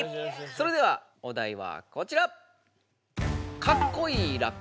それではおだいはこちら！